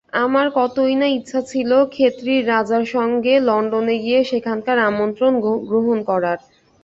আমার কতই না ইচ্ছা ছিল খেতড়ির রাজার সঙ্গে লণ্ডনে গিয়ে সেখানকার আমন্ত্রণ গ্রহণ করার।